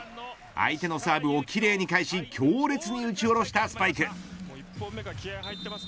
相手のサーブを奇麗に返し強烈に打ち下ろしたスパイク。